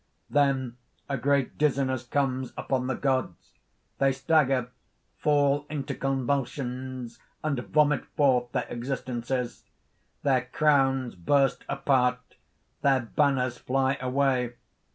(_Then a great dizziness comes upon the gods. They stagger, fall into convulsions, and vomit forth their existences. Their crowns burst apart; their banners fly away.